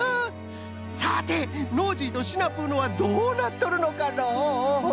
さてノージーとシナプーのはどうなっとるのかのう？